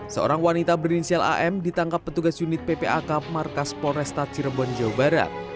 seorang wanita berinisial am ditangkap petugas unit ppak markas polresta cirebon jawa barat